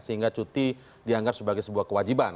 sehingga cuti dianggap sebagai sebuah kewajiban